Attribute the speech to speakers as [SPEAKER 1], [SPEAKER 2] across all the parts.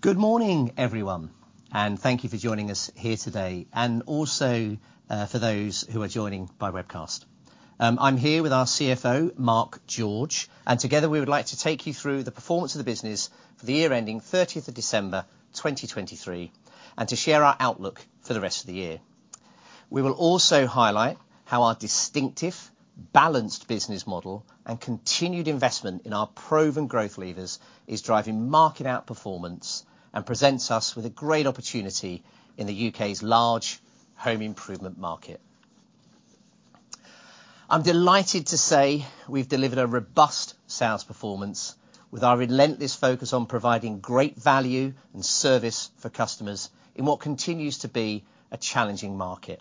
[SPEAKER 1] Good morning, everyone, and thank you for joining us here today, and also, for those who are joining by webcast. I'm here with our CFO, Mark George, and together, we would like to take you through the performance of the business for the year ending 30th of December, 2023, and to share our outlook for the rest of the year. We will also highlight how our distinctive, balanced business model and continued investment in our proven growth levers is driving market outperformance and presents us with a great opportunity in the U.K.'s large home improvement market. I'm delighted to say we've delivered a robust sales performance with our relentless focus on providing great value and service for customers in what continues to be a challenging market.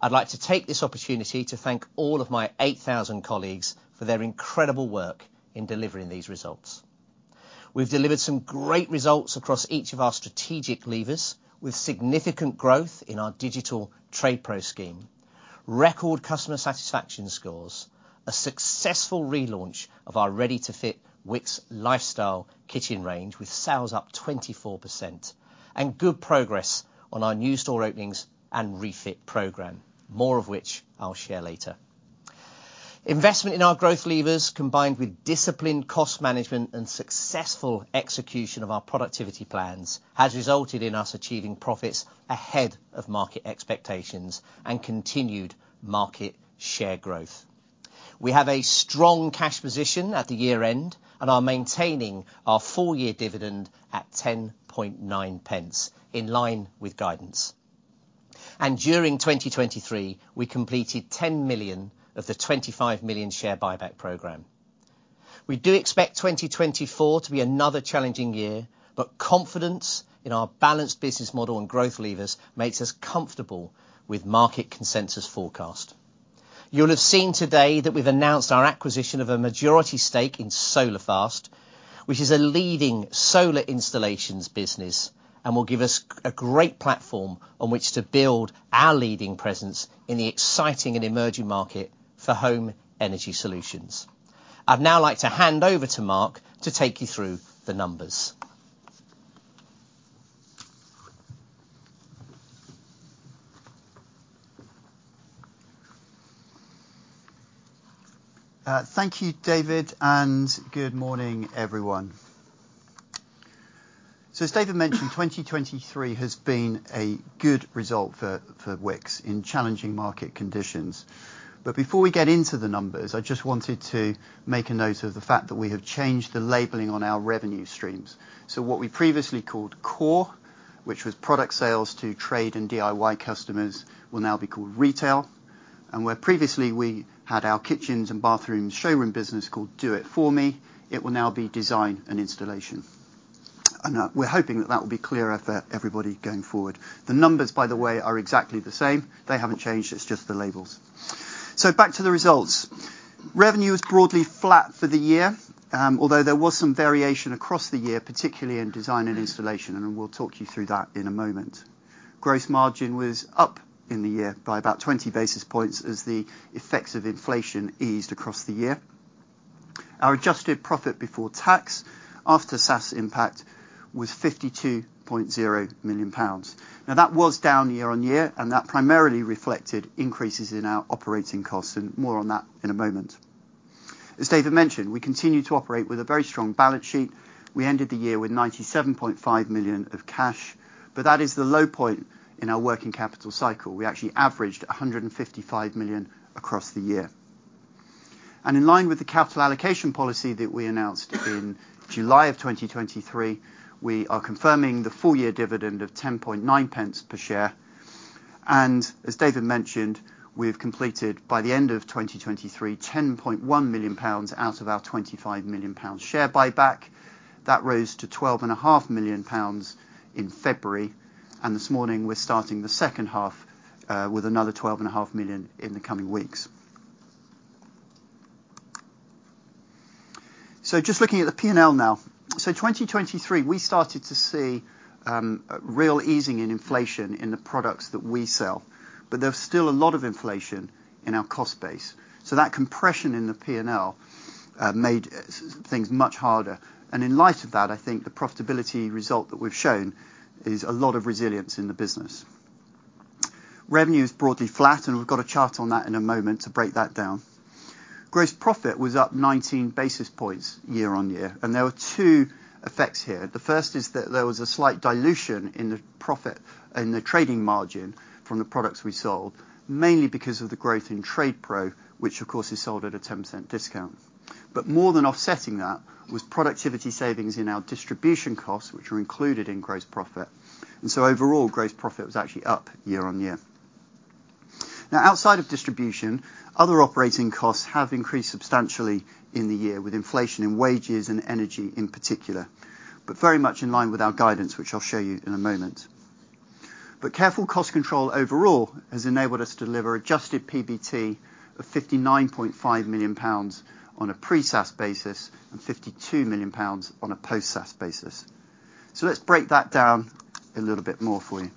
[SPEAKER 1] I'd like to take this opportunity to thank all of my 8,000 colleagues for their incredible work in delivering these results. We've delivered some great results across each of our strategic levers, with significant growth in our digital TradePro scheme, record customer satisfaction scores, a successful relaunch of our ready-to-fit Wickes Lifestyle Kitchens, with sales up 24%, and good progress on our new store openings and refit program, more of which I'll share later. Investment in our growth levers, combined with disciplined cost management and successful execution of our productivity plans, has resulted in us achieving profits ahead of market expectations and continued market share growth. We have a strong cash position at the year-end and are maintaining our full-year dividend at 10.9 pence, in line with guidance. During 2023, we completed 10 million of the 25 million share buyback program. We do expect 2024 to be another challenging year, but confidence in our balanced business model and growth levers makes us comfortable with market consensus forecast. You'll have seen today that we've announced our acquisition of a majority stake in Solar Fast, which is a leading solar installations business and will give us a great platform on which to build our leading presence in the exciting and emerging market for home energy solutions. I'd now like to hand over to Mark to take you through the numbers.
[SPEAKER 2] Thank you, David, and good morning, everyone. So as David mentioned, 2023 has been a good result for Wickes in challenging market conditions. But before we get into the numbers, I just wanted to make a note of the fact that we have changed the labeling on our revenue streams. So what we previously called Core, which was product sales to trade and DIY customers, will now be called Retail. And where previously we had our kitchens and bathrooms showroom business called Do It For Me, it will now be Design and Installation. And, we're hoping that that will be clearer for everybody going forward. The numbers, by the way, are exactly the same. They haven't changed, it's just the labels. So back to the results. Revenue is broadly flat for the year, although there was some variation across the year, particularly in Design and Installation, and we'll talk you through that in a moment. Gross margin was up in the year by about 20 basis points, as the effects of inflation eased across the year. Our adjusted profit before tax, after SaaS impact, was 52.0 million pounds. Now, that was down year-on-year, and that primarily reflected increases in our operating costs, and more on that in a moment. As David mentioned, we continue to operate with a very strong balance sheet. We ended the year with 97.5 million of cash, but that is the low point in our working capital cycle. We actually averaged 155 million across the year. In line with the capital allocation policy that we announced in July 2023, we are confirming the full year dividend of 0.109 per share. As David mentioned, we've completed, by the end of 2023, 10.1 million pounds out of our 25 million pounds share buyback. That rose to 12.5 million pounds in February, and this morning, we're starting the second half with another 12.5 million in the coming weeks. So just looking at the P&L now. 2023, we started to see a real easing in inflation in the products that we sell, but there was still a lot of inflation in our cost base. That compression in the P&L made things much harder. In light of that, I think the profitability result that we've shown is a lot of resilience in the business. Revenue is broadly flat, and we've got a chart on that in a moment, to break that down. Gross profit was up 19 basis points year-on-year, and there were two effects here. The first is that there was a slight dilution in the profit, in the trading margin from the products we sold, mainly because of the growth in TradePro, which of course is sold at a 10% discount. But more than offsetting that was productivity savings in our distribution costs, which are included in gross profit. And so overall, gross profit was actually up year-on-year. Now, outside of distribution, other operating costs have increased substantially in the year, with inflation in wages and energy in particular, but very much in line with our guidance, which I'll show you in a moment. But careful cost control overall has enabled us to deliver adjusted PBT of 59.5 million pounds on a pre-SaaS basis and 52 million pounds on a post-SaaS basis. So let's break that down a little bit more for you.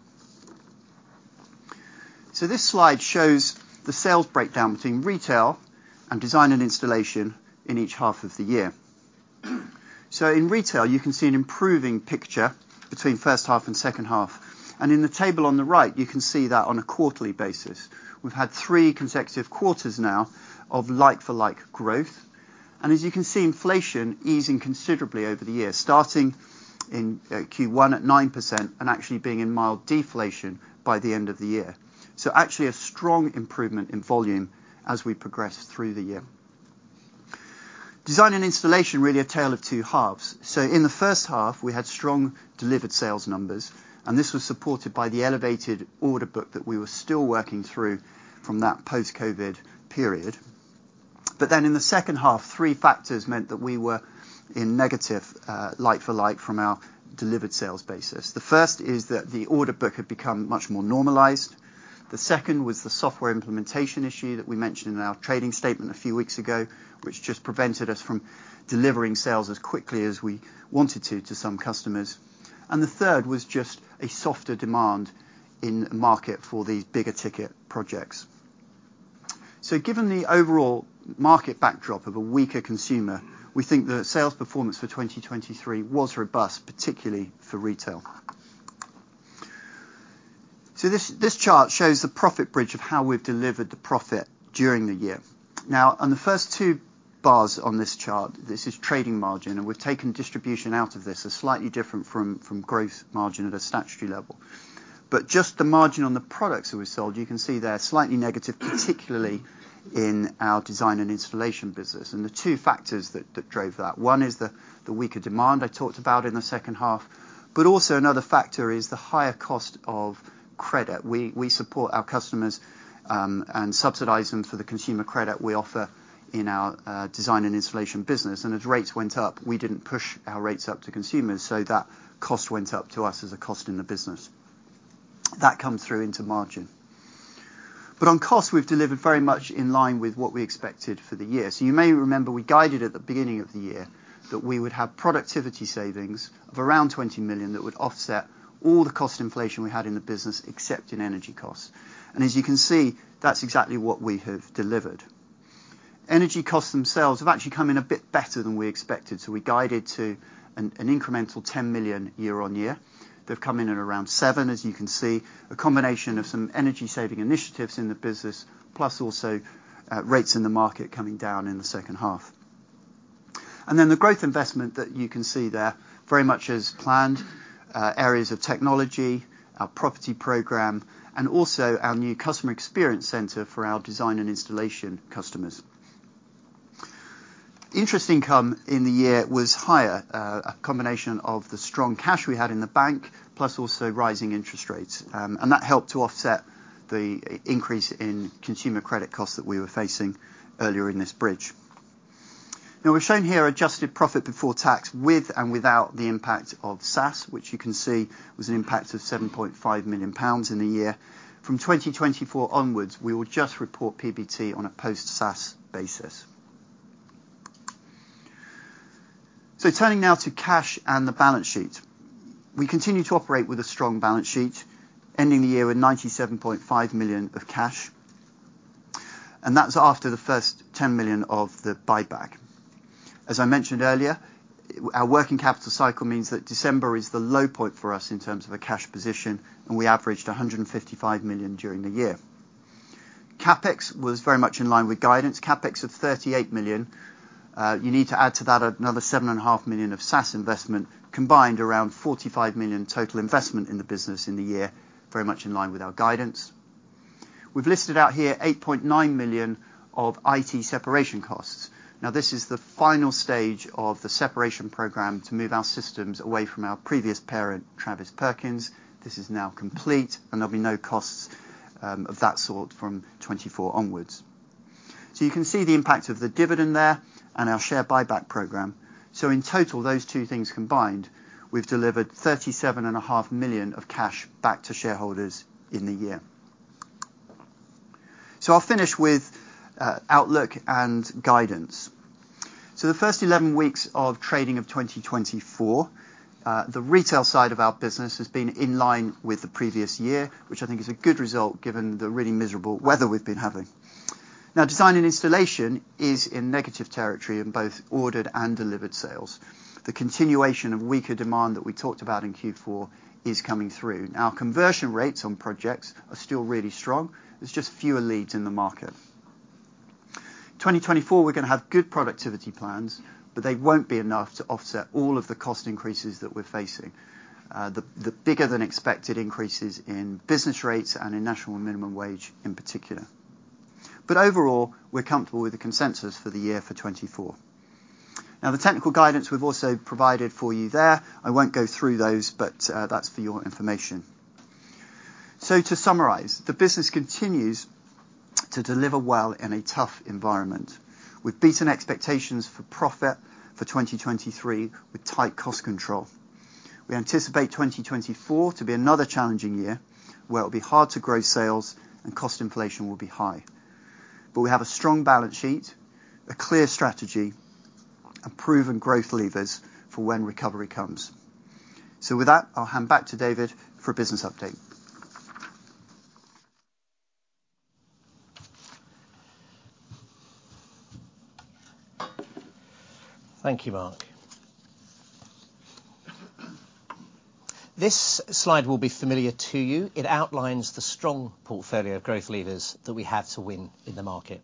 [SPEAKER 2] So this slide shows the sales breakdown between Retail and Design and Installation in each half of the year. So in Retail, you can see an improving picture between first half and second half. In the table on the right, you can see that on a quarterly basis. We've had three consecutive quarters now of like-for-like growth, and as you can see, inflation easing considerably over the years, starting in Q1 at 9%, and actually being in mild deflation by the end of the year. So actually a strong improvement in volume as we progress through the year. Design and Installation, really a tale of two halves. So in the first half, we had strong delivered sales numbers, and this was supported by the elevated order book that we were still working through from that post-COVID period. But then in the second half, three factors meant that we were in negative like-for-like from our delivered sales basis. The first is that the order book had become much more normalized. The second was the software implementation issue that we mentioned in our trading statement a few weeks ago, which just prevented us from delivering sales as quickly as we wanted to, to some customers. The third was just a softer demand in market for these bigger ticket projects. So given the overall market backdrop of a weaker consumer, we think the sales performance for 2023 was robust, particularly for retail. So this, this chart shows the profit bridge of how we've delivered the profit during the year. Now, on the first two bars on this chart, this is trading margin, and we've taken distribution out of this, as slightly different from gross margin at a statutory level. But just the margin on the products that we sold, you can see they're slightly negative, particularly in our design and installation business. The two factors that drove that, one is the weaker demand I talked about in the second half, but also another factor is the higher cost of credit. We support our customers and subsidize them for the consumer credit we offer in our Design and Installation business. And as rates went up, we didn't push our rates up to consumers, so that cost went up to us as a cost in the business. That comes through into margin. But on cost, we've delivered very much in line with what we expected for the year. So you may remember, we guided at the beginning of the year that we would have productivity savings of around 20 million that would offset all the cost inflation we had in the business, except in energy costs. And as you can see, that's exactly what we have delivered. Energy costs themselves have actually come in a bit better than we expected, so we guided to an incremental 10 million year-on-year. They've come in at around 7 million, as you can see, a combination of some energy saving initiatives in the business, plus also rates in the market coming down in the second half. And then the growth investment that you can see there, very much as planned, areas of technology, our property program, and also our new customer experience center for our design and installation customers. Interest income in the year was higher, a combination of the strong cash we had in the bank, plus also rising interest rates. And that helped to offset the increase in consumer credit costs that we were facing earlier in this bridge. Now, we're shown here adjusted profit before tax, with and without the impact of SaaS, which you can see was an impact of 7.5 million pounds in the year. From 2024 onwards, we will just report PBT on a post-SaaS basis. So turning now to cash and the balance sheet. We continue to operate with a strong balance sheet, ending the year with 97.5 million of cash, and that's after the first 10 million of the buyback. As I mentioned earlier, our working capital cycle means that December is the low point for us in terms of a cash position, and we averaged 155 million during the year. CapEx was very much in line with guidance, CapEx of 38 million. You need to add to that another 7.5 million of SaaS investment, combined around 45 million total investment in the business in the year, very much in line with our guidance. We've listed out here, 8.9 million of IT separation costs. Now, this is the final stage of the separation program to move our systems away from our previous parent, Travis Perkins. This is now complete, and there'll be no costs of that sort from 2024 onwards. So you can see the impact of the dividend there and our share buyback program. So in total, those two things combined, we've delivered 37.5 million of cash back to shareholders in the year. So I'll finish with outlook and guidance. The first 11 weeks of trading of 2024, the Retail side of our business has been in line with the previous year, which I think is a good result, given the really miserable weather we've been having. Now, Design and Installation is in negative territory in both ordered and delivered sales. The continuation of weaker demand that we talked about in Q4 is coming through. Now, conversion rates on projects are still really strong. There's just fewer leads in the market. 2024, we're gonna have good productivity plans, but they won't be enough to offset all of the cost increases that we're facing. The bigger than expected increases in business rates and in national minimum wage in particular. But overall, we're comfortable with the consensus for the year for 2024. Now, the technical guidance we've also provided for you there, I won't go through those, but, that's for your information. So to summarize, the business continues to deliver well in a tough environment. We've beaten expectations for profit for 2023 with tight cost control. We anticipate 2024 to be another challenging year, where it'll be hard to grow sales and cost inflation will be high. But we have a strong balance sheet, a clear strategy, proven growth levers for when recovery comes. So with that, I'll hand back to David for a business update.
[SPEAKER 1] Thank you, Mark. This slide will be familiar to you. It outlines the strong portfolio of growth levers that we have to win in the market.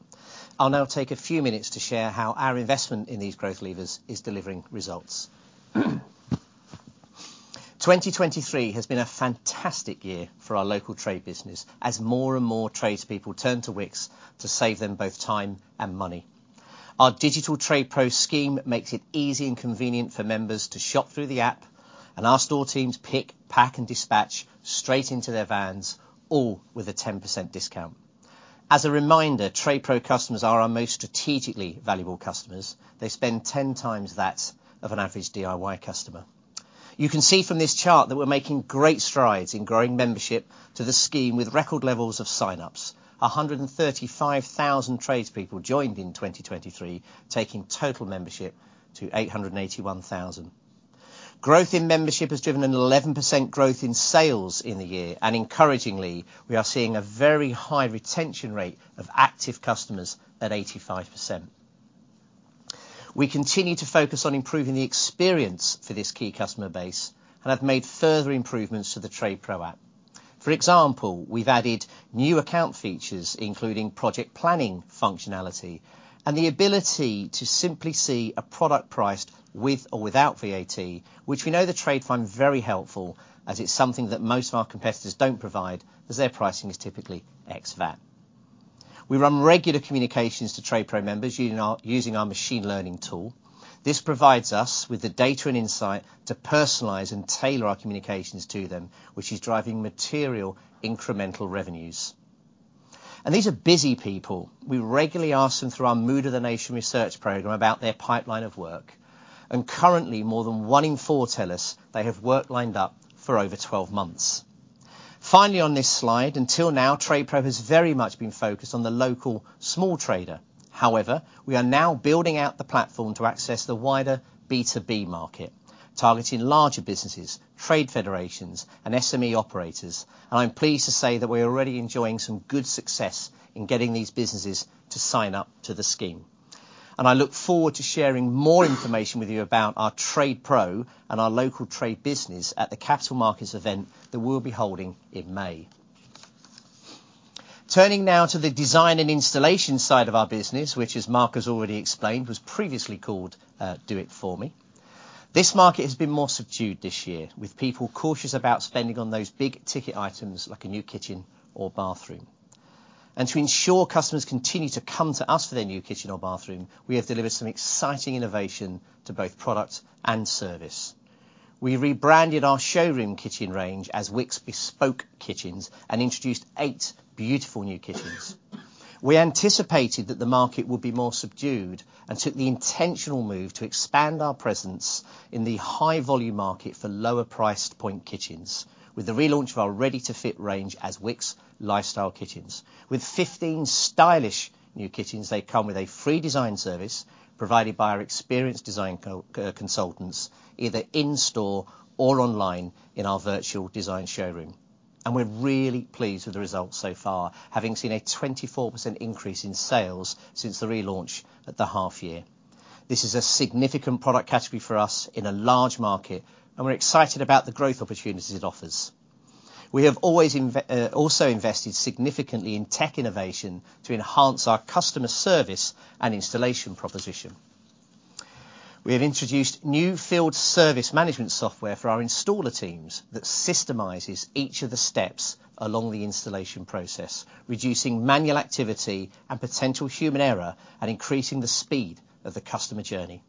[SPEAKER 1] I'll now take a few minutes to share how our investment in these growth levers is delivering results. 2023 has been a fantastic year for our local trade business, as more and more tradespeople turn to Wickes to save them both time and money. Our digital Trade Pro scheme makes it easy and convenient for members to shop through the app, and our store teams pick, pack, and dispatch straight into their vans, all with a 10% discount. As a reminder, TradePro customers are our most strategically valuable customers. They spend 10 times that of an average DIY customer. You can see from this chart that we're making great strides in growing membership to the scheme, with record levels of sign-ups. 135,000 tradespeople joined in 2023, taking total membership to 881,000. Growth in membership has driven an 11% growth in sales in the year, and encouragingly, we are seeing a very high retention rate of active customers at 85%. We continue to focus on improving the experience for this key customer base and have made further improvements to the TradePro app. For example, we've added new account features, including project planning functionality and the ability to simply see a product priced with or without VAT, which we know the trade find very helpful, as it's something that most of our competitors don't provide, as their pricing is typically ex VAT. We run regular communications to TradePro members using our machine learning tool. This provides us with the data and insight to personalize and tailor our communications to them, which is driving material incremental revenues. These are busy people. We regularly ask them, through our Mood of the Nation research program, about their pipeline of work, and currently, more than one in four tell us they have work lined up for over 12 months. Finally, on this slide, until now, TradePro has very much been focused on the local small trader. However, we are now building out the platform to access the wider B2B market, targeting larger businesses, trade federations, and SME operators, and I'm pleased to say that we're already enjoying some good success in getting these businesses to sign up to the scheme. I look forward to sharing more information with you about our TradePro and our local trade business at the capital markets event that we'll be holding in May. Turning now to the Design and Installation side of our business, which, as Mark has already explained, was previously called Do It For Me. This market has been more subdued this year, with people cautious about spending on those big-ticket items, like a new kitchen or bathroom. To ensure customers continue to come to us for their new kitchen or bathroom, we have delivered some exciting innovation to both product and service. We rebranded our showroom kitchen range as Wickes Bespoke Kitchens and introduced eight beautiful new kitchens. We anticipated that the market would be more subdued and took the intentional move to expand our presence in the high-volume market for lower priced point kitchens with the relaunch of our ready-to-fit range as Wickes Lifestyle Kitchens. With 15 stylish new kitchens, they come with a free design service provided by our experienced design consultants, either in store or online in our virtual design showroom, and we're really pleased with the results so far, having seen a 24% increase in sales since the relaunch at the half year. This is a significant product category for us in a large market, and we're excited about the growth opportunities it offers. We have always also invested significantly in tech innovation to enhance our customer service and installation proposition. We have introduced new field service management software for our installer teams that systemizes each of the steps along the installation process, reducing manual activity and potential human error and increasing the speed of the customer journey.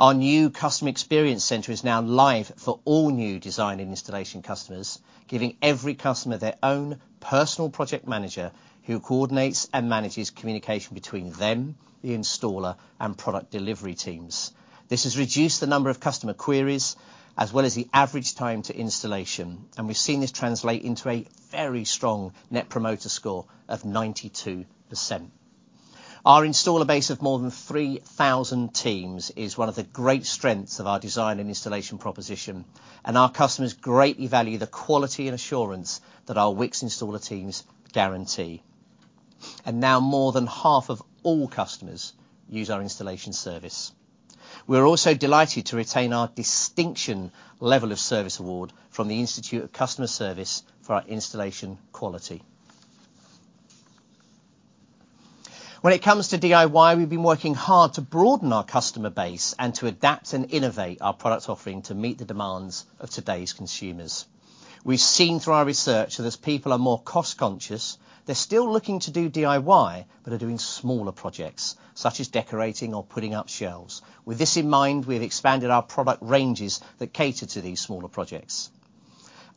[SPEAKER 1] Our new customer experience center is now live for all new Design and Installation customers, giving every customer their own personal project manager, who coordinates and manages communication between them, the installer, and product delivery teams. This has reduced the number of customer queries, as well as the average time to installation, and we've seen this translate into a very strong Net Promoter Score of 92%. Our installer base of more than 3,000 teams is one of the great strengths of our Design and Installation proposition, and our customers greatly value the quality and assurance that our Wickes installer teams guarantee. Now, more than half of all customers use our installation service. We're also delighted to retain our Distinction Level of Service award from the Institute of Customer Service for our installation quality. When it comes to DIY, we've been working hard to broaden our customer base and to adapt and innovate our product offering to meet the demands of today's consumers. We've seen through our research that as people are more cost conscious, they're still looking to do DIY, but are doing smaller projects, such as decorating or putting up shelves. With this in mind, we've expanded our product ranges that cater to these smaller projects.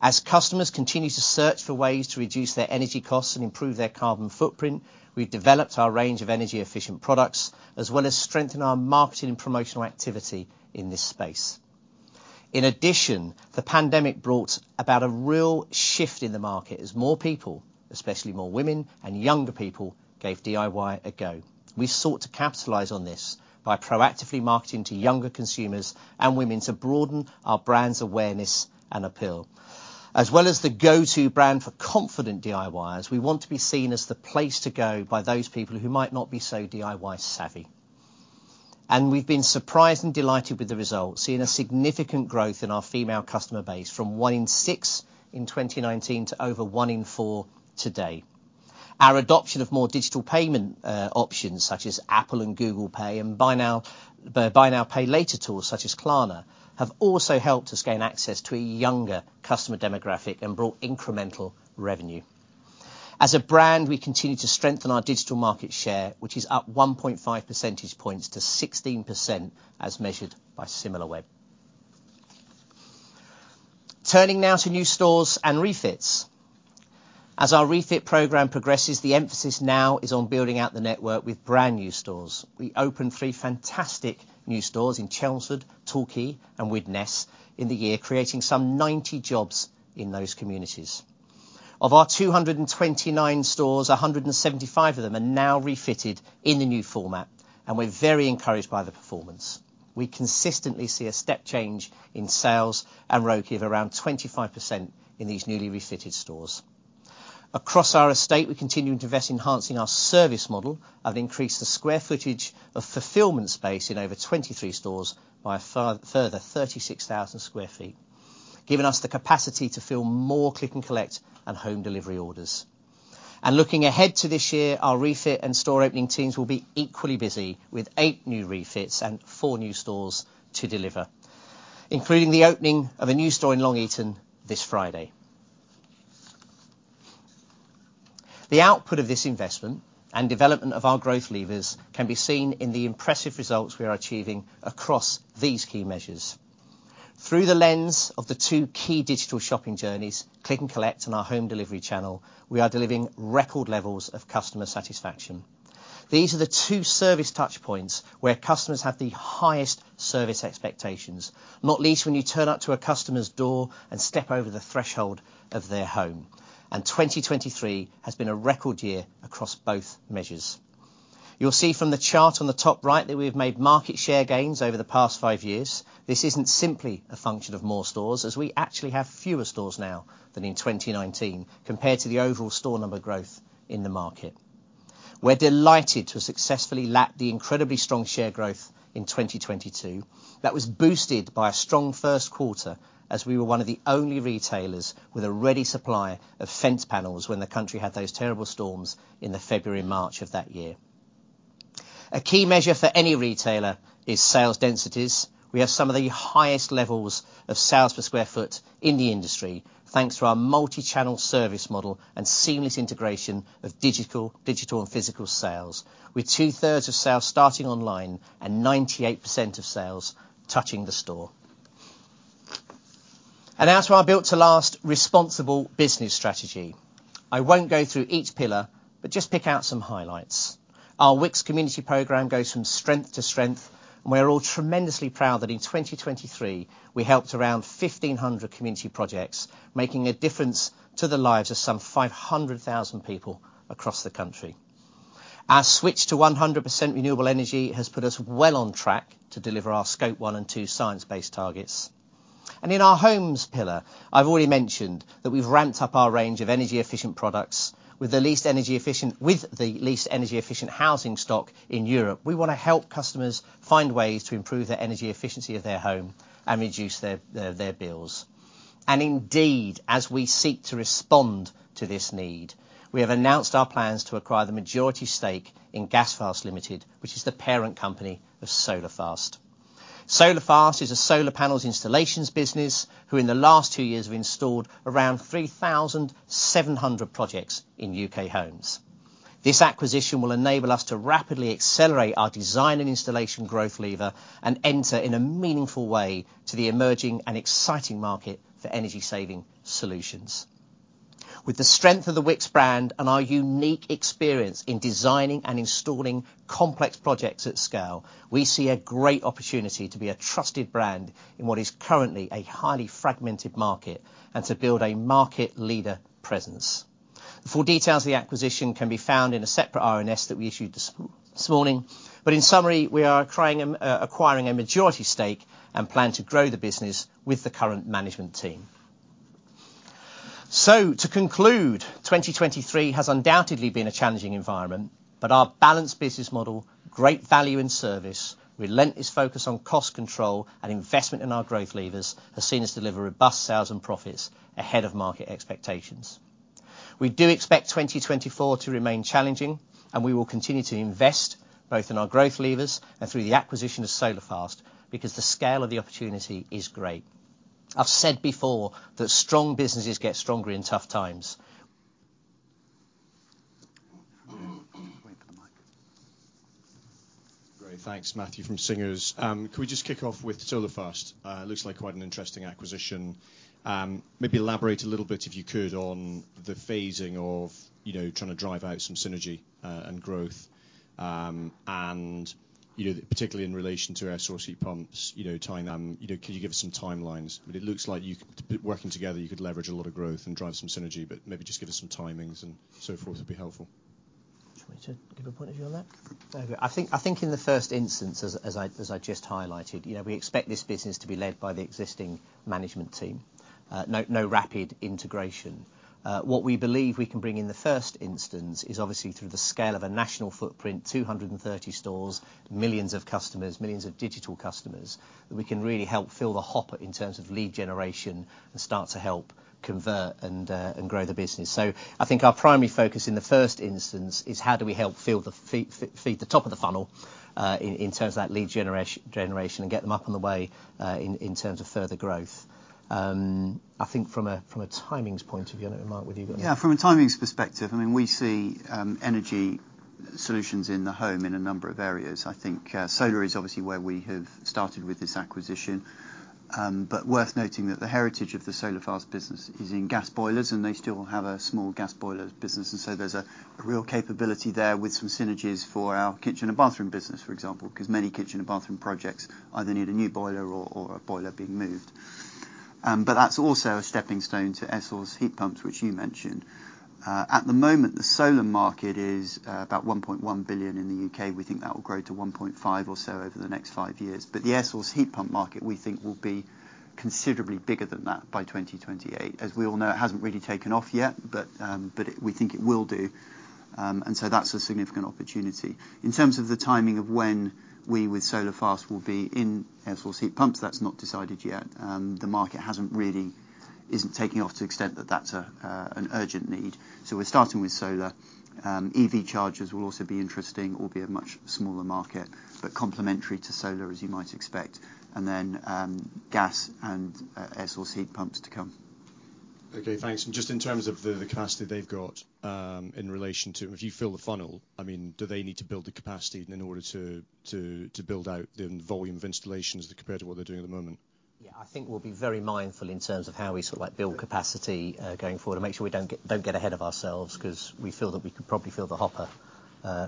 [SPEAKER 1] As customers continue to search for ways to reduce their energy costs and improve their carbon footprint, we've developed our range of energy efficient products, as well as strengthen our marketing and promotional activity in this space... In addition, the pandemic brought about a real shift in the market as more people, especially more women and younger people, gave DIY a go. We sought to capitalize on this by proactively marketing to younger consumers and women to broaden our brand's awareness and appeal. As well as the go-to brand for confident DIYers, we want to be seen as the place to go by those people who might not be so DIY savvy. We've been surprised and delighted with the results, seeing a significant growth in our female customer base from one in six in 2019 to over one in four today. Our adoption of more digital payment options, such as Apple and Google Pay, and buy now, pay later tools such as Klarna, have also helped us gain access to a younger customer demographic and brought incremental revenue. As a brand, we continue to strengthen our digital market share, which is up 1.5 percentage points to 16% as measured by Similarweb. Turning now to new stores and refits. As our refit program progresses, the emphasis now is on building out the network with brand new stores. We opened three fantastic new stores in Chelmsford, Torquay, and Widnes in the year, creating some 90 jobs in those communities. Of our 229 stores, 175 of them are now refitted in the new format, and we're very encouraged by the performance. We consistently see a step change in sales and ROIC of around 25% in these newly refitted stores. Across our estate, we continue to invest in enhancing our service model and increase the square footage of fulfillment space in over 23 stores by further 36,000 sq ft, giving us the capacity to fill more click and collect and home delivery orders. Looking ahead to this year, our refit and store opening teams will be equally busy, with 8 new refits and 4 new stores to deliver, including the opening of a new store in Long Eaton this Friday. The output of this investment and development of our growth levers can be seen in the impressive results we are achieving across these key measures. Through the lens of the two key digital shopping journeys, click and collect and our home delivery channel, we are delivering record levels of customer satisfaction. These are the two service touchpoints where customers have the highest service expectations, not least when you turn up to a customer's door and step over the threshold of their home, and 2023 has been a record year across both measures. You'll see from the chart on the top right that we have made market share gains over the past 5 years. This isn't simply a function of more stores, as we actually have fewer stores now than in 2019 compared to the overall store number growth in the market. We're delighted to have successfully lapped the incredibly strong share growth in 2022. That was boosted by a strong first quarter, as we were one of the only retailers with a ready supply of fence panels when the country had those terrible storms in the February and March of that year. A key measure for any retailer is sales densities. We have some of the highest levels of sales per square foot in the industry, thanks to our multi-channel service model and seamless integration of digital, digital and physical sales, with two-thirds of sales starting online and 98% of sales touching the store. As for our Built to Last responsible business strategy, I won't go through each pillar, but just pick out some highlights. Our Wickes Community Program goes from strength to strength, and we're all tremendously proud that in 2023, we helped around 1,500 community projects, making a difference to the lives of some 500,000 people across the country. Our switch to 100% renewable energy has put us well on track to deliver our Scope One and Two science-based targets. In our homes pillar, I've already mentioned that we've ramped up our range of energy-efficient products with the least energy efficient housing stock in Europe. We want to help customers find ways to improve the energy efficiency of their home and reduce their bills. And indeed, as we seek to respond to this need, we have announced our plans to acquire the majority stake in Gas Fast Limited, which is the parent company of Solar Fast. Solar Fast is a solar panel installation business, who, in the last two years, have installed around 3,700 projects in UK homes. This acquisition will enable us to rapidly accelerate our design and installation growth lever and enter in a meaningful way to the emerging and exciting market for energy-saving solutions. With the strength of the Wickes brand and our unique experience in designing and installing complex projects at scale, we see a great opportunity to be a trusted brand in what is currently a highly fragmented market and to build a market leader presence. Full details of the acquisition can be found in a separate RNS that we issued this morning, but in summary, we are acquiring a majority stake and plan to grow the business with the current management team. To conclude, 2023 has undoubtedly been a challenging environment, but our balanced business model, great value and service, relentless focus on cost control and investment in our growth levers, has seen us deliver robust sales and profits ahead of market expectations. We do expect 2024 to remain challenging, and we will continue to invest both in our growth levers and through the acquisition of Solar Fast, because the scale of the opportunity is great. I've said before that strong businesses get stronger in tough times.
[SPEAKER 3] Wait for the mic.
[SPEAKER 4] Great, thanks, Matthew from Singers. Can we just kick off with Solar Fast? It looks like quite an interesting acquisition. Maybe elaborate a little bit, if you could, on the phasing of, you know, trying to drive out some synergy, and growth, and-... you know, particularly in relation to air source heat pumps, you know, tying them, you know, can you give us some timelines? But it looks like you, working together, you could leverage a lot of growth and drive some synergy, but maybe just give us some timings and so forth would be helpful.
[SPEAKER 1] Do you want me to give a point of view on that? I think in the first instance, as I just highlighted, you know, we expect this business to be led by the existing management team. No rapid integration. What we believe we can bring in the first instance is obviously through the scale of a national footprint, 230 stores, millions of customers, millions of digital customers, that we can really help fill the hopper in terms of lead generation and start to help convert and grow the business. So I think our primary focus in the first instance is how do we help fill the feed the top of the funnel in terms of that lead generation and get them up on the way in terms of further growth. I think from a timings point of view, I don't know, Mark, whether you've got-
[SPEAKER 2] Yeah, from a timings perspective, I mean, we see, energy solutions in the home in a number of areas. I think, solar is obviously where we have started with this acquisition. But worth noting that the heritage of the SolarFast business is in gas boilers, and they still have a small gas boilers business, and so there's a, a real capability there with some synergies for our kitchen and bathroom business, for example, because many kitchen and bathroom projects either need a new boiler or, or a boiler being moved. But that's also a stepping stone to air source heat pumps, which you mentioned. At the moment, the solar market is, about 1.1 billion in the UK. We think that will grow to 1.5 billion or so over the next five years. But the Air Source Heat Pump market, we think, will be considerably bigger than that by 2028. As we all know, it hasn't really taken off yet, but we think it will do. And so that's a significant opportunity. In terms of the timing of when we, with Solar Fast, will be in Air Source Heat Pumps, that's not decided yet. The market isn't taking off to the extent that that's an urgent need. So we're starting with solar. EV Chargers will also be interesting, albeit a much smaller market, but complementary to solar, as you might expect. And then, gas and Air Source Heat Pumps to come.
[SPEAKER 4] Okay, thanks. And just in terms of the capacity they've got in relation to if you fill the funnel, I mean, do they need to build the capacity in order to build out the volume of installations compared to what they're doing at the moment?
[SPEAKER 1] Yeah, I think we'll be very mindful in terms of how we sort of like build capacity, going forward to make sure we don't get, don't get ahead of ourselves, 'cause we feel that we could probably fill the hopper,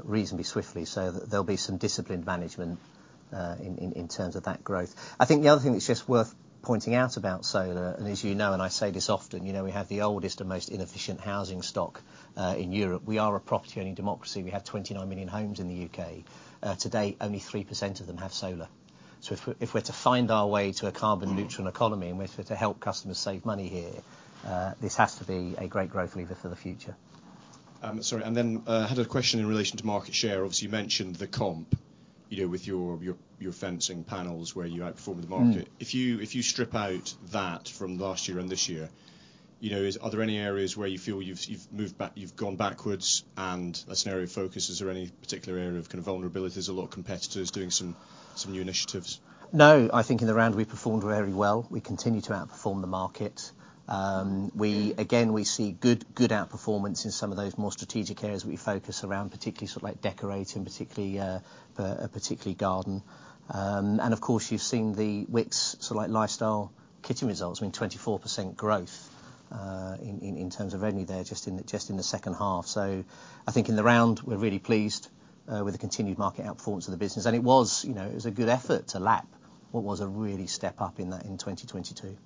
[SPEAKER 1] reasonably swiftly, so there'll be some disciplined management, in, in, in terms of that growth. I think the other thing that's just worth pointing out about solar, and as you know, and I say this often, you know, we have the oldest and most inefficient housing stock, in Europe. We are a property-owning democracy. We have 29 million homes in the UK. Today, only 3% of them have solar. So if we're, if we're to find our way to a carbon neutral economy, and if we're to help customers save money here, this has to be a great growth lever for the future.
[SPEAKER 4] Sorry, and then I had a question in relation to market share. Obviously, you mentioned the comp, you know, with your fencing panels, where you outperform the market.
[SPEAKER 1] Mm.
[SPEAKER 4] If you strip out that from last year and this year, you know, are there any areas where you feel you've moved back, you've gone backwards? And last, an area of focus, is there any particular area of kind of vulnerabilities or competitors doing some new initiatives?
[SPEAKER 1] No, I think in the round, we performed very well. We continue to outperform the market. We, again, we see good, good outperformance in some of those more strategic areas we focus around, particularly sort of like decorating, particularly, particularly garden. And of course, you've seen the Wickes lifestyle kitchen results, I mean, 24% growth, in terms of revenue there, just in the second half. So I think in the round, we're really pleased, with the continued market outperformance of the business, and it was, you know, it was a good effort to lap what was a really step up in that in 2022.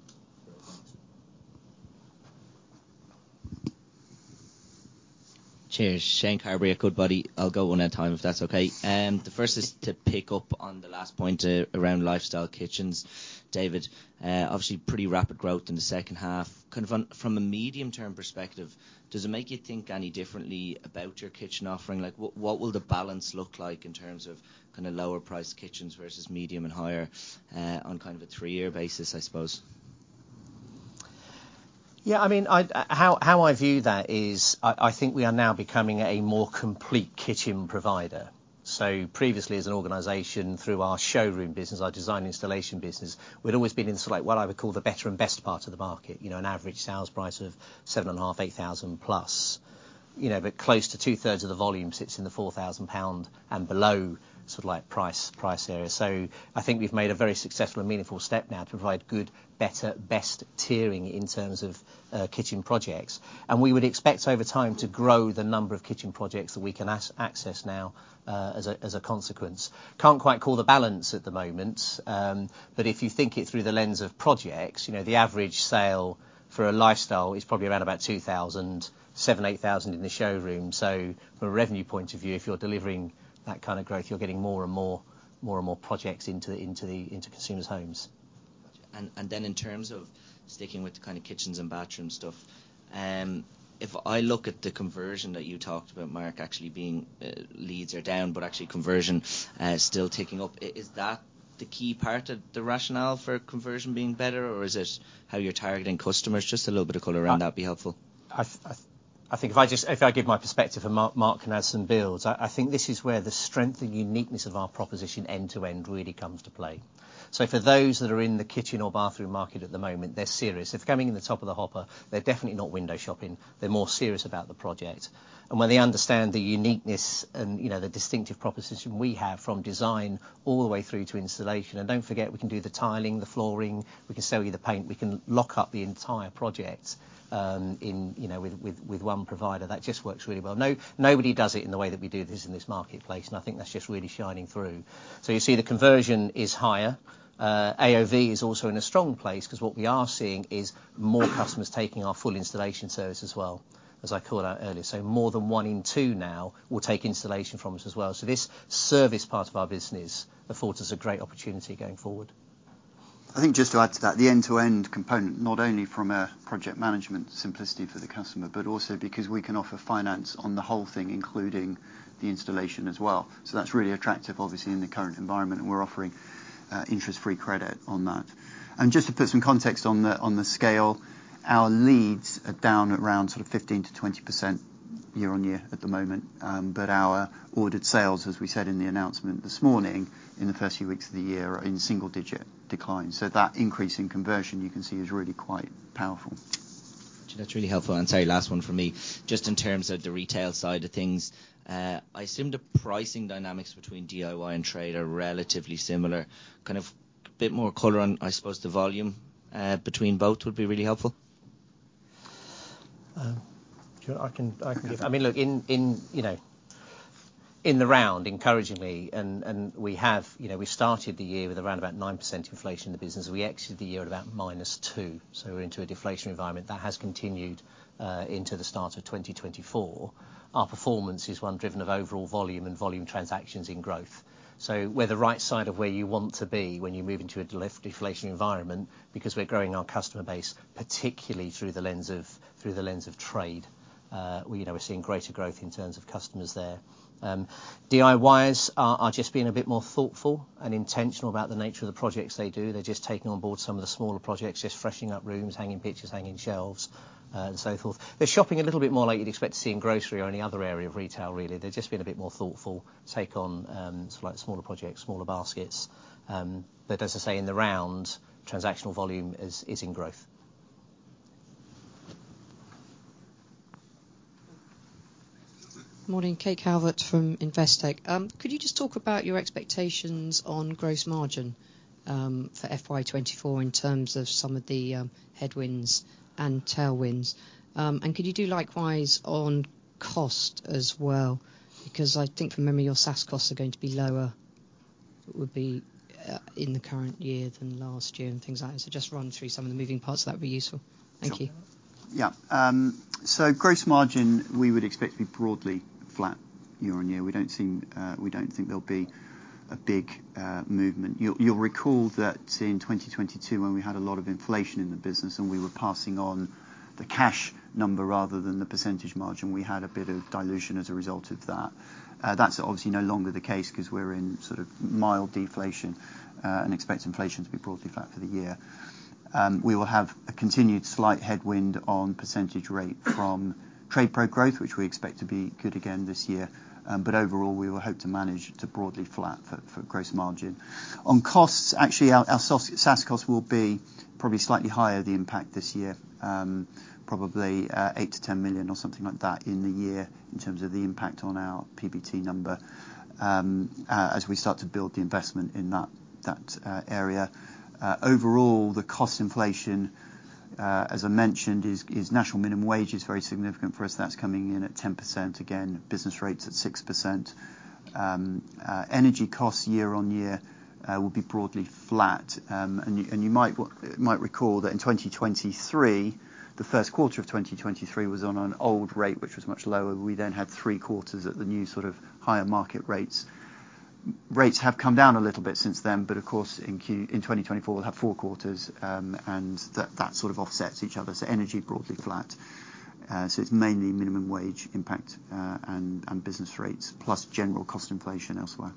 [SPEAKER 4] Thanks.
[SPEAKER 5] Cheers. Shane Carberry, Goodbody. I'll go one at a time, if that's okay. The first is to pick up on the last point around lifestyle kitchens. David, obviously, pretty rapid growth in the second half. Kind of on, from a medium-term perspective, does it make you think any differently about your kitchen offering? Like, what, what will the balance look like in terms of kind of lower priced kitchens versus medium and higher, on kind of a three-year basis, I suppose?
[SPEAKER 1] Yeah, I mean, how I view that is I think we are now becoming a more complete kitchen provider. So previously, as an organization, through our showroom business, our design installation business, we'd always been in select, what I would call the better and best parts of the market, you know, an average sales price of 7,500, 8,000 plus. You know, but close to two thirds of the volume sits in the 4,000 pound and below, sort of like price area. So I think we've made a very successful and meaningful step now to provide good, better, best tiering in terms of kitchen projects. And we would expect over time to grow the number of kitchen projects that we can access now, as a consequence. Can't quite call the balance at the moment, but if you think it through the lens of projects, you know, the average sale for a lifestyle is probably around about 2,000, 7,000-8,000 in the showroom. So from a revenue point of view, if you're delivering that kind of growth, you're getting more and more, more and more projects into consumers' homes.
[SPEAKER 5] And then in terms of sticking with the kind of kitchens and bathroom stuff, if I look at the conversion that you talked about, Mark, actually, leads are down, but actually conversion still ticking up, is that the key part of the rationale for conversion being better, or is it how you're targeting customers? Just a little bit of color around that would be helpful.
[SPEAKER 1] I think if I give my perspective and Mark can add some builds, I think this is where the strength and uniqueness of our proposition end-to-end really comes to play. So for those that are in the kitchen or bathroom market at the moment, they're serious. If they're coming in the top of the hopper, they're definitely not window shopping. They're more serious about the project. And when they understand the uniqueness and, you know, the distinctive proposition we have from design all the way through to installation, and don't forget, we can do the tiling, the flooring, we can sell you the paint, we can lock up the entire project, in, you know, with one provider. That just works really well. Nobody does it in the way that we do this in this marketplace, and I think that's just really shining through. So you see the conversion is higher... AOV is also in a strong place, 'cause what we are seeing is more customers taking our full installation service as well, as I called out earlier. So more than one in two now will take installation from us as well. So this service part of our business affords us a great opportunity going forward.
[SPEAKER 2] I think just to add to that, the end-to-end component, not only from a project management simplicity for the customer, but also because we can offer finance on the whole thing, including the installation as well. So that's really attractive, obviously, in the current environment, and we're offering interest-free credit on that. And just to put some context on the, on the scale, our leads are down around sort of 15%-20% year-on-year at the moment. But our ordered sales, as we said in the announcement this morning, in the first few weeks of the year, are in single-digit decline. So that increase in conversion, you can see, is really quite powerful.
[SPEAKER 5] That's really helpful. Sorry, last one for me. Just in terms of the retail side of things, I assume the pricing dynamics between DIY and trade are relatively similar. Kind of a bit more color on, I suppose, the volume between both would be really helpful.
[SPEAKER 1] Sure, I can give... I mean, look, in you know, in the round, encouragingly, and we have-- You know, we started the year with around about 9% inflation in the business. We exited the year at about -2%, so we're into a deflation environment. That has continued into the start of 2024. Our performance is one driven of overall volume and volume transactions in growth. So we're the right side of where you want to be when you move into a deflation environment, because we're growing our customer base, particularly through the lens of trade. We, you know, we're seeing greater growth in terms of customers there. DIYers are just being a bit more thoughtful and intentional about the nature of the projects they do. They're just taking on board some of the smaller projects, just freshening up rooms, hanging pictures, hanging shelves, and so forth. They're shopping a little bit more like you'd expect to see in grocery or any other area of retail, really. They're just being a bit more thoughtful, take on, sort of like smaller projects, smaller baskets, but as I say, in the round, transactional volume is in growth.
[SPEAKER 6] Morning. Kate Calvert from Investec. Could you just talk about your expectations on gross margin for FY 2024, in terms of some of the headwinds and tailwinds? And could you do likewise on cost as well? Because I think, from memory, your SaaS costs are going to be lower, it would be, in the current year than last year and things like that. So just run through some of the moving parts, that would be useful. Thank you.
[SPEAKER 2] Yeah. So gross margin, we would expect to be broadly flat year-on-year. We don't think, we don't think there'll be a big, movement. You'll, you'll recall that in 2022, when we had a lot of inflation in the business, and we were passing on the cash number rather than the percentage margin, we had a bit of dilution as a result of that. That's obviously no longer the case, 'cause we're in sort of mild deflation, and expect inflation to be broadly flat for the year. We will have a continued slight headwind on percentage rate from TradePro growth, which we expect to be good again this year. But overall, we will hope to manage to broadly flat for, for gross margin. On costs, actually, our SaaS costs will be probably slightly higher, the impact this year, probably, 8 million-10 million or something like that in the year, in terms of the impact on our PBT number, as we start to build the investment in that area. Overall, the cost inflation, as I mentioned, is national minimum wage is very significant for us. That's coming in at 10%. Again, business rates at 6%. Energy costs year-on-year will be broadly flat. And you might recall that in 2023, the first quarter of 2023 was on an old rate, which was much lower. We then had three quarters at the new, sort of, higher market rates. Rates have come down a little bit since then, but of course, in Q- in 2024, we'll have four quarters. And that sort of offsets each other. So energy, broadly flat. So it's mainly minimum wage impact, and business rates, plus general cost inflation elsewhere.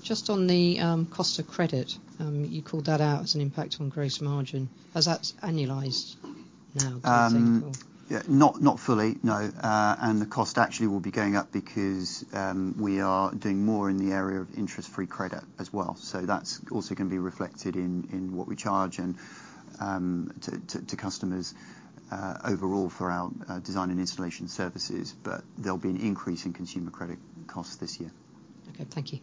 [SPEAKER 6] Just on the cost of credit, you called that out as an impact on gross margin. Has that annualized now, do you think?
[SPEAKER 2] Yeah, not fully, no. And the cost actually will be going up because we are doing more in the area of interest-free credit as well. So that's also going to be reflected in what we charge, and to customers overall for our Design and Installation services, but there'll be an increase in consumer credit costs this year.
[SPEAKER 6] Okay. Thank you.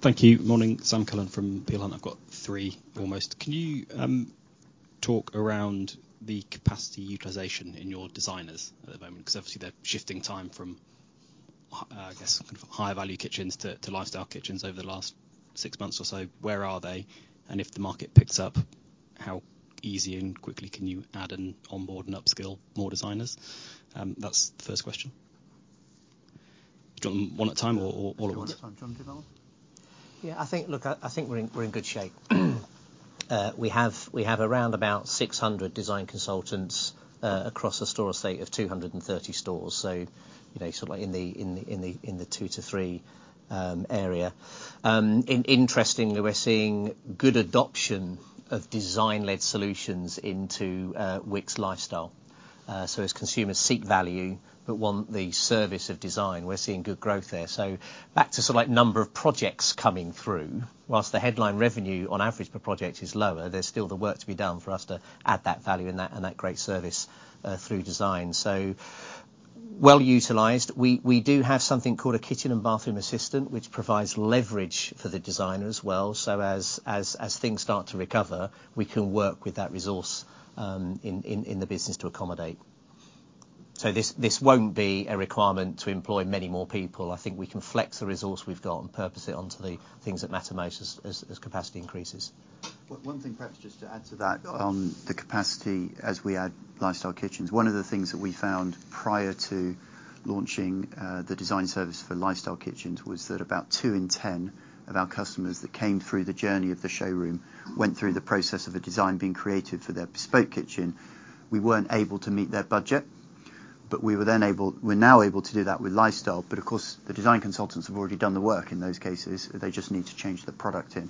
[SPEAKER 7] Thank you. Morning, Sam Cullen from Baillie Gifford. I've got three, almost. Can you talk around the capacity utilization in your designers at the moment? 'Cause obviously, they're shifting time from, I guess, higher value kitchens to, to lifestyle kitchens over the last six months or so. Where are they? And if the market picks up, how easy and quickly can you add and onboard and upskill more designers? That's the first question. Do you want them one at a time or, or all of them?
[SPEAKER 2] One at a time. Do you want to do that one?
[SPEAKER 1] Yeah, I think... Look, I think we're in good shape. We have around about 600 design consultants across a store estate of 230 stores, so, you know, sort of like in the 2-3 area. Interestingly, we're seeing good adoption of design-led solutions into Wickes Lifestyle. So as consumers seek value but want the service of design, we're seeing good growth there. So back to sort of like number of projects coming through, whilst the headline revenue on average per project is lower, there's still the work to be done for us to add that value and that great service through design. So well-utilized. We do have something called a kitchen and bathroom assistant, which provides leverage for the designer as well, so as things start to recover, we can work with that resource in the business to accommodate. So this won't be a requirement to employ many more people. I think we can flex the resource we've got and purpose it onto the things that matter most as capacity increases. One thing perhaps just to add to that, on the capacity as we add Lifestyle Kitchens, one of the things that we found prior to launching the design service for Lifestyle Kitchens was that about 2 in 10 of our customers that came through the journey of the showroom went through the process of a design being created for their bespoke kitchen. We weren't able to meet their budget, but we were then able, we're now able to do that with Lifestyle. But of course, the design consultants have already done the work in those cases, they just need to change the product in.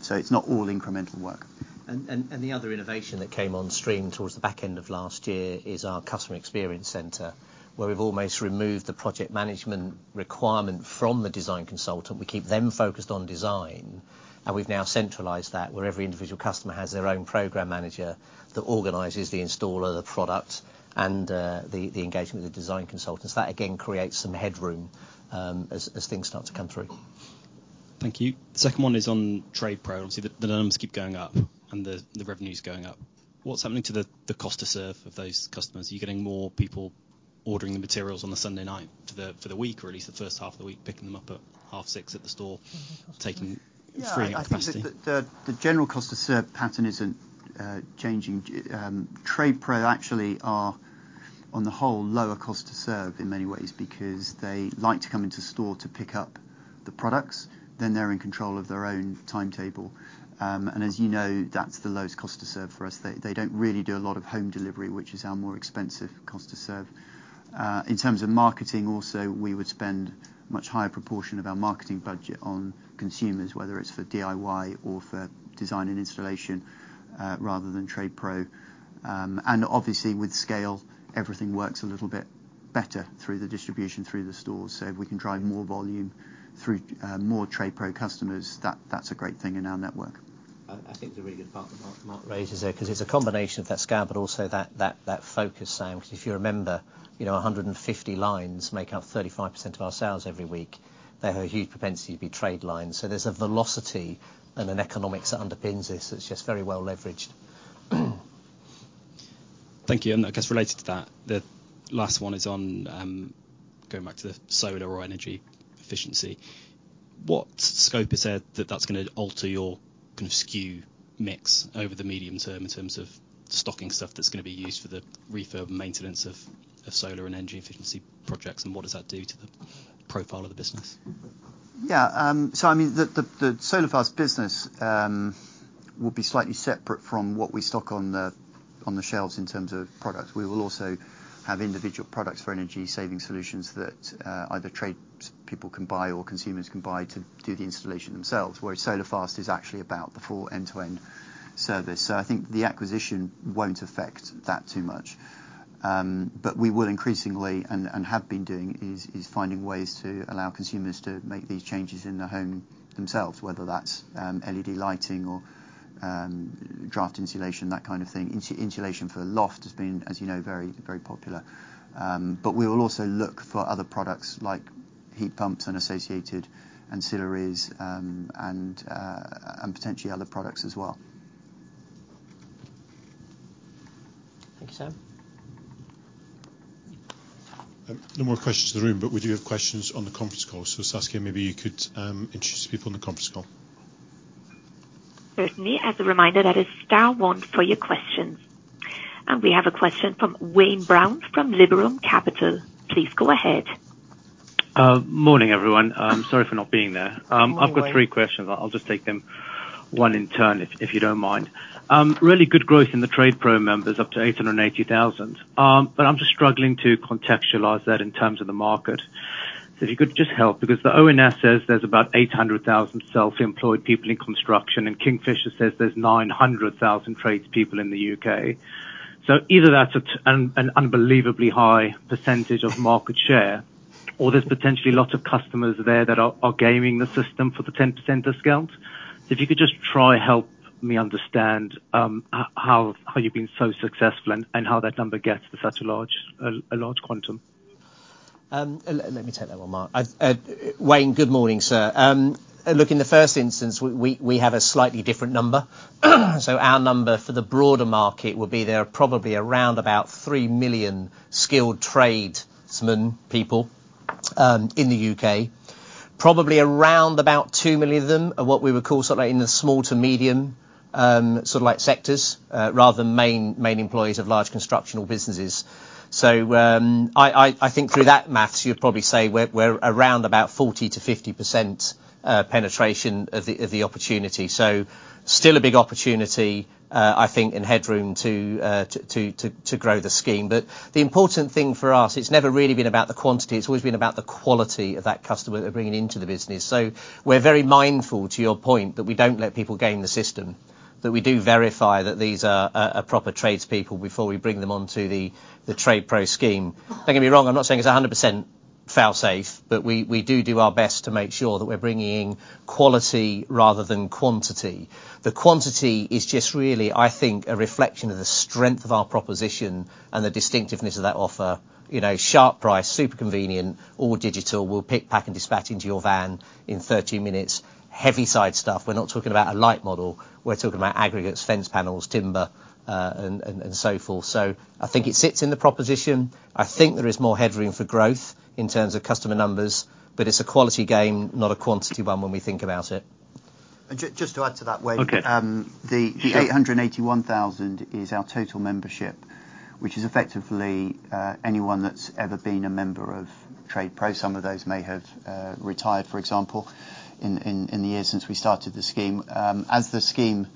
[SPEAKER 1] So it's not all incremental work. The other innovation that came on stream towards the back end of last year is our customer experience center, where we've almost removed the project management requirement from the design consultant. We keep them focused on design, and we've now centralized that, where every individual customer has their own program manager that organizes the installer, the product, and the engagement with the design consultants. That, again, creates some headroom, as things start to come through.
[SPEAKER 7] Thank you. Second one is on TradePro. Obviously, the numbers keep going up, and the revenue's going up. What's happening to the cost to serve of those customers? Are you getting more people ordering the materials on a Sunday night for the week, or at least the first half of the week, picking them up at half six at the store, taking, freeing up capacity?
[SPEAKER 2] Yeah, I think the general cost to serve pattern isn't changing. TradePro actually are, on the whole, lower cost to serve in many ways, because they like to come into store to pick up the products, then they're in control of their own timetable. And as you know, that's the lowest cost to serve for us. They don't really do a lot of home delivery, which is our more expensive cost to serve. In terms of marketing also, we would spend much higher proportion of our marketing budget on consumers, whether it's for DIY or for Design and Installation, rather than TradePro. And obviously with scale, everything works a little bit better through the distribution, through the stores. If we can drive more volume through more TradePro customers, that, that's a great thing in our network.
[SPEAKER 1] I think it's a really good point that Mark raises there, 'cause it's a combination of that scale, but also that focus, Sam. 'Cause if you remember, you know, 150 lines make up 35% of our sales every week. They have a huge propensity to be trade lines. So there's a velocity and an economics that underpins this that's just very well leveraged.
[SPEAKER 7] Thank you. And I guess related to that, the last one is on going back to the solar or energy efficiency. What scope is there that that's gonna alter your kind of SKU mix over the medium term, in terms of stocking stuff that's gonna be used for the refurb and maintenance of solar and energy efficiency projects? And what does that do to the profile of the business?
[SPEAKER 2] Yeah, so I mean, the Solar Fast business will be slightly separate from what we stock on the shelves in terms of products. We will also have individual products for energy saving solutions that either tradespeople can buy or consumers can buy to do the installation themselves, whereas Solar Fast is actually about the full end-to-end service. So I think the acquisition won't affect that too much. But we will increasingly, and have been doing, is finding ways to allow consumers to make these changes in their home themselves, whether that's LED lighting or draft insulation, that kind of thing. Insulation for a loft has been, as you know, very, very popular. But we will also look for other products like heat pumps and associated ancillaries, and potentially other products as well.
[SPEAKER 7] Thank you, sir. No more questions in the room, but we do have questions on the conference call. So Saskia, maybe you could introduce the people on the conference call.
[SPEAKER 8] Certainly. As a reminder, that is star one for your questions. We have a question from Wayne Brown, from Liberum Capital. Please go ahead.
[SPEAKER 3] Morning, everyone. Sorry for not being there.
[SPEAKER 1] Good morning.
[SPEAKER 3] I've got three questions. I'll just take them one in turn, if you don't mind. Really good growth in the TradePro members, up to 880,000. But I'm just struggling to contextualize that in terms of the market. So if you could just help, because the ONS says there's about 800,000 self-employed people in construction, and Kingfisher says there's 900,000 tradespeople in the UK. So either that's an unbelievably high percentage of market share, or there's potentially lots of customers there that are gaming the system for the 10% discount. So if you could just try help me understand, how you've been so successful and how that number gets to such a large quantum.
[SPEAKER 1] Let me take that one, Mark. I, Wayne, good morning, sir. Look, in the first instance, we have a slightly different number. So our number for the broader market will be, there are probably around about 3 million skilled tradesmen people in the UK. Probably around about 2 million of them are what we would call somewhere in the small to medium sort of like sectors rather than main employees of large constructional businesses. So, I think through that maths, you'd probably say we're around about 40%-50% penetration of the opportunity. So still a big opportunity, I think, and headroom to grow the scheme. But the important thing for us, it's never really been about the quantity, it's always been about the quality of that customer that we're bringing into the business. So we're very mindful, to your point, that we don't let people game the system. That we do verify that these are proper tradespeople before we bring them onto the TradePro scheme. Don't get me wrong, I'm not saying it's 100% fail-safe, but we do our best to make sure that we're bringing quality rather than quantity. The quantity is just really, I think, a reflection of the strength of our proposition and the distinctiveness of that offer. You know, sharp price, super convenient, all digital, we'll pick, pack, and dispatch into your van in 30 minutes. Heavy side stuff. We're not talking about a light model. We're talking about aggregates, fence panels, timber, and so forth. So I think it sits in the proposition. I think there is more headroom for growth in terms of customer numbers, but it's a quality game, not a quantity one when we think about it.
[SPEAKER 2] Just to add to that, Wayne.
[SPEAKER 3] Okay.
[SPEAKER 2] Um, the-
[SPEAKER 1] Sure...
[SPEAKER 2] the 881,000 is our total membership, which is effectively anyone that's ever been a member of TradePro. Some of those may have retired, for example, in the years since we started the scheme. As the scheme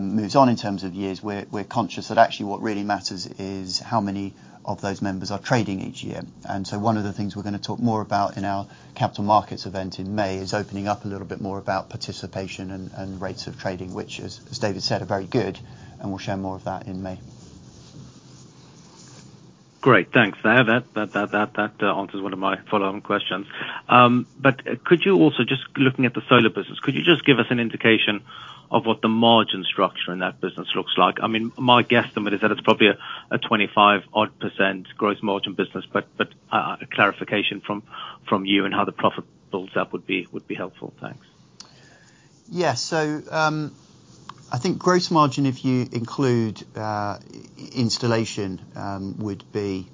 [SPEAKER 2] moves on in terms of years, we're conscious that actually what really matters is how many of those members are trading each year. And so one of the things we're gonna talk more about in our capital markets event in May is opening up a little bit more about participation and rates of trading, which, as David said, are very good, and we'll share more of that in May.
[SPEAKER 3] Great, thanks. That answers one of my follow-on questions. But could you also, just looking at the solar business, give us an indication of what the margin structure in that business looks like? I mean, my guesstimate is that it's probably a 25% odd gross margin business, but a clarification from you on how the profit builds up would be helpful. Thanks.
[SPEAKER 2] Yeah. So, I think gross margin, if you include installation, would be...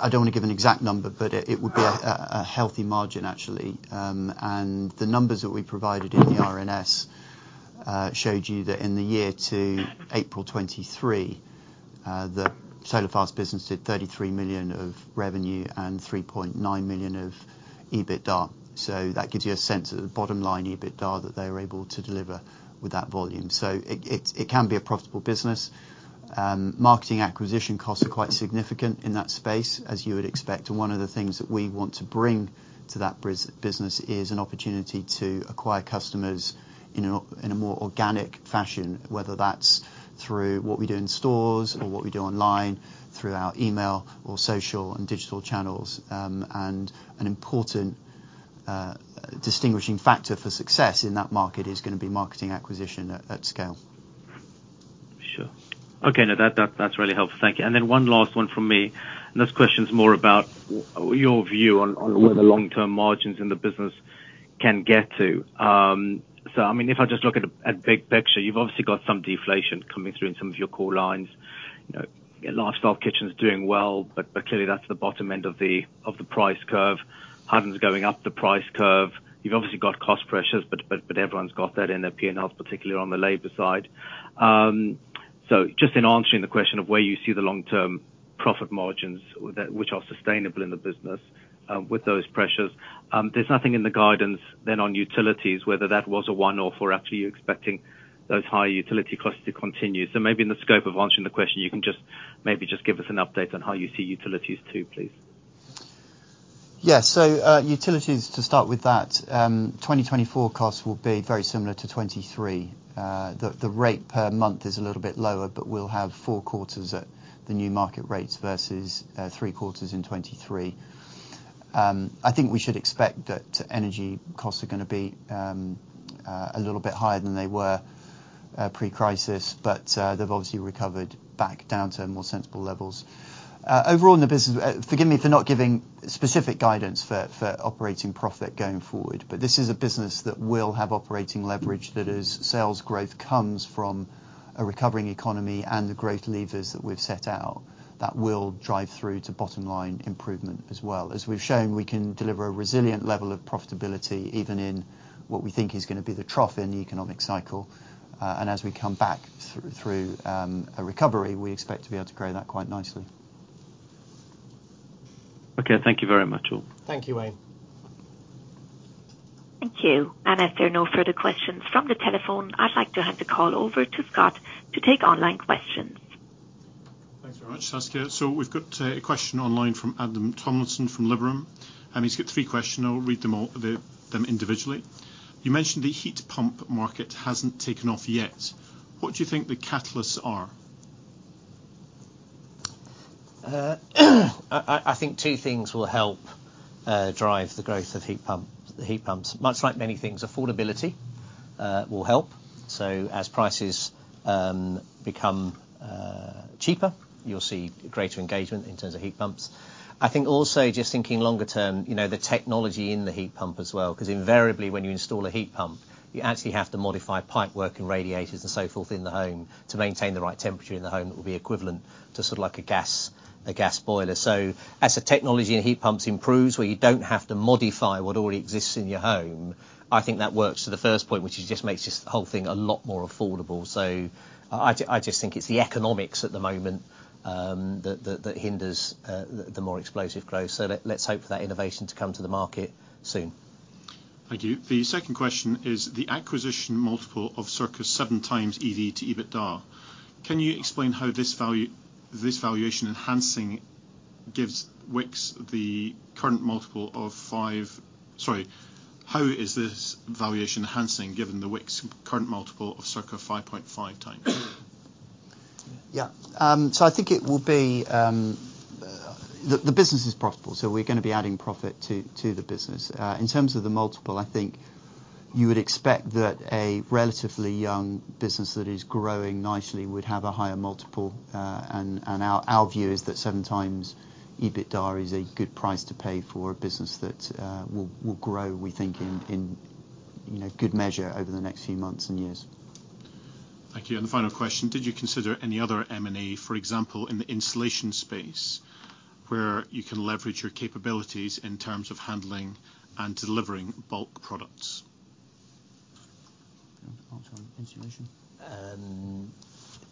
[SPEAKER 2] I don't want to give an exact number, but it would be a healthy margin, actually. And the numbers that we provided in the RNS showed you that in the year to April 2023, the Solar Fast business did 33 million of revenue and 3.9 million of EBITDA. So that gives you a sense of the bottom line EBITDA that they were able to deliver with that volume. So it can be a profitable business. Marketing acquisition costs are quite significant in that space, as you would expect, and one of the things that we want to bring to that business is an opportunity to acquire customers in a more organic fashion, whether that's through what we do in stores or what we do online, through our email or social and digital channels. An important distinguishing factor for success in that market is gonna be marketing acquisition at scale.
[SPEAKER 3] Sure. Okay, now, that that's really helpful. Thank you. And then one last one from me, and this question's more about your view on, on-
[SPEAKER 2] Mm-hmm...
[SPEAKER 3] where the long-term margins in the business can get to. So I mean, if I just look at big picture, you've obviously got some deflation coming through in some of your core lines. You know, Lifestyle Kitchens' doing well, but clearly that's the bottom end of the price curve. Hardin's going up the price curve. You've obviously got cost pressures, but everyone's got that in their P&Ls, particularly on the labor side. So just in answering the question of where you see the long-term profit margins that, which are sustainable in the business, with those pressures, there's nothing in the guidance then on utilities, whether that was a one-off or actually you're expecting those higher utility costs to continue. Maybe in the scope of answering the question, you can just maybe just give us an update on how you see utilities, too, please.
[SPEAKER 2] Yeah. So, utilities, to start with that, 2024 costs will be very similar to 2023. The rate per month is a little bit lower, but we'll have four quarters at the new market rates versus three quarters in 2023. I think we should expect that energy costs are gonna be a little bit higher than they were pre-crisis, but they've obviously recovered back down to more sensible levels. Overall, in the business, forgive me for not giving specific guidance for operating profit going forward, but this is a business that will have operating leverage, that as sales growth comes from a recovering economy and the great levers that we've set out, that will drive through to bottom line improvement as well. As we've shown, we can deliver a resilient level of profitability, even in what we think is gonna be the trough in the economic cycle, and as we come back through a recovery, we expect to be able to grow that quite nicely.
[SPEAKER 3] Okay. Thank you very much, all.
[SPEAKER 2] Thank you, Wayne.
[SPEAKER 8] Thank you. If there are no further questions from the telephone, I'd like to hand the call over to Scott to take online questions.
[SPEAKER 9] Thanks very much, Saskia. So we've got a question online from Adam Tomlinson, from Liberum, and he's got three questions. I'll read them all individually. You mentioned the heat pump market hasn't taken off yet. What do you think the catalysts are?
[SPEAKER 1] I think two things will help drive the growth of heat pumps. Much like many things, affordability will help. So as prices become cheaper, you'll see greater engagement in terms of heat pumps. I think also just thinking longer term, you know, the technology in the heat pump as well, 'cause invariably, when you install a heat pump, you actually have to modify pipework and radiators and so forth in the home to maintain the right temperature in the home. That will be equivalent to sort of like a gas boiler. So as the technology in heat pumps improves, where you don't have to modify what already exists in your home, I think that works to the first point, which is just makes this whole thing a lot more affordable. So I just think it's the economics at the moment that hinders the more explosive growth. So let's hope for that innovation to come to the market soon. Thank you. The second question is the acquisition multiple of circa 7x EV to EBITDA. Can you explain how this value, this valuation enhancing gives Wickes the current multiple of 5... Sorry, how is this valuation enhancing, given the Wickes current multiple of circa 5.5x?...
[SPEAKER 9] Yeah, so I think it will be, the business is profitable, so we're gonna be adding profit to the business. In terms of the multiple, I think you would expect that a relatively young business that is growing nicely would have a higher multiple. And our view is that 7x EBITDA is a good price to pay for a business that will grow, we think, in, you know, good measure over the next few months and years. Thank you, and the final question: Did you consider any other M&A, for example, in the insulation space, where you can leverage your capabilities in terms of handling and delivering bulk products?
[SPEAKER 2] Do you want to answer on insulation?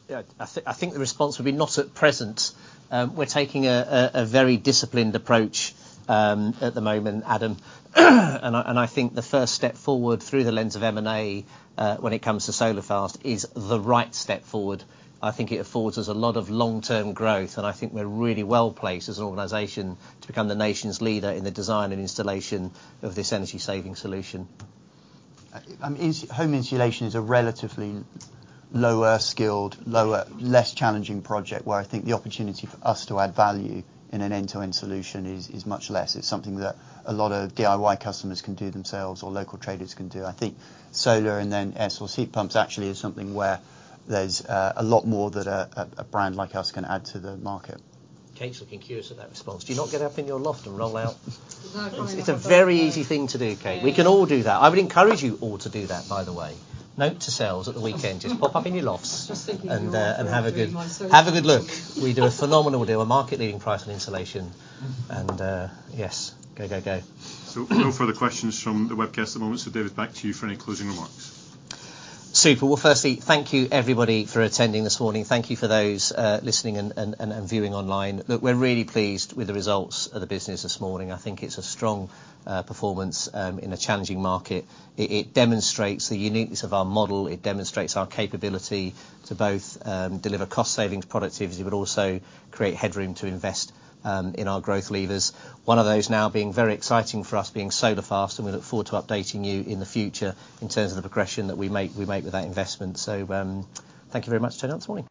[SPEAKER 1] Yeah, I think the response would be not at present. We're taking a very disciplined approach at the moment, Adam. And I think the first step forward through the lens of M&A, when it comes to Solar Fast, is the right step forward. I think it affords us a lot of long-term growth, and I think we're really well-placed as an organization to become the nation's leader in the design and installation of this energy-saving solution.
[SPEAKER 2] Home insulation is a relatively lower skilled, lower, less challenging project, where I think the opportunity for us to add value in an end-to-end solution is much less. It's something that a lot of DIY customers can do themselves, or local traders can do. I think solar and then air source heat pumps actually is something where there's a lot more that a brand like us can add to the market.
[SPEAKER 1] Kate's looking curious at that response. Do you not get up in your loft and roll out? No, I find it's a very easy thing to do, Kate. Yeah. We can all do that. I would encourage you all to do that, by the way. Note to selves at the weekend, "Just pop up in your lofts and have a good look." We do a phenomenal deal, a market-leading price on insulation, and yes, go, go, go.
[SPEAKER 9] No further questions from the webcast at the moment. David, back to you for any closing remarks.
[SPEAKER 1] Super. Well, firstly, thank you, everybody, for attending this morning. Thank you for those listening and viewing online. Look, we're really pleased with the results of the business this morning. I think it's a strong performance in a challenging market. It demonstrates the uniqueness of our model. It demonstrates our capability to both deliver cost savings, productivity, but also create headroom to invest in our growth levers. One of those now being very exciting for us, being Solar Fast, and we look forward to updating you in the future in terms of the progression that we make with that investment. So, thank you very much. Tune in tomorrow.